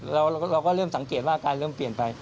เราก็เริ่มสังเกตว่าอาการเริ่มเปลี่ยนไป